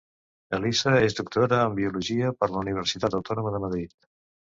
Elisa és doctora en Biologia per la Universitat Autònoma de Madrid.